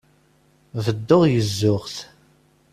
Bedduɣ gezzuɣ-t.